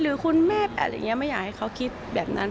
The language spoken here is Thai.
หรือคุณแม่อะไรอย่างนี้ไม่อยากให้เขาคิดแบบนั้น